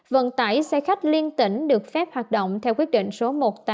vận tải xe khách liên tỉnh được phép hoạt động theo quyết định số một nghìn tám trăm một mươi hai